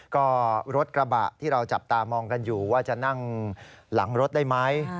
ก็รถกระบะที่เราจับตามองกันอยู่ว่าจะนั่งหลังรถได้ไหม